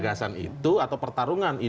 gagasan itu atau pertarungan